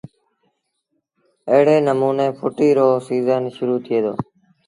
ايڙي نموٚني ڦُٽيٚ رو سيٚزن شرو ٿئي دو